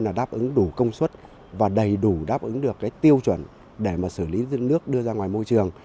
là đáp ứng đủ công suất và đầy đủ đáp ứng được tiêu chuẩn để xử lý nước đưa ra ngoài môi trường